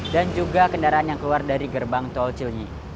dan juga kendaraan yang keluar dari gerbang tol cilenyi